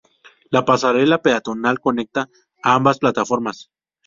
La pasarela peatonal conecta ambas plataformas.